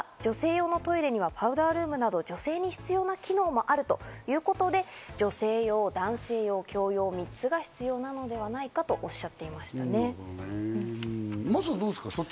ただし、トイレのあり方については女性用のトイレにはパウダールームなど、女性に必要な機能もあるということで女性用、男性用、共用、３つが必要なのではないかとおっしゃっていましたね。